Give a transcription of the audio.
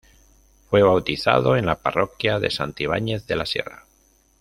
Fue bautizado en la parroquia de Santibáñez de la Sierra.